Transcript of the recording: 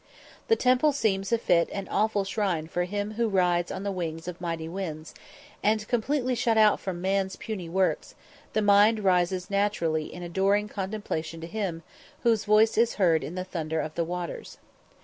The temple seems a fit and awful shrine for Him who "rides on the wings of mighty winds," and, completely shut out from man's puny works, the mind rises naturally in adoring contemplation to Him whose voice is heard in the "thunder of waters."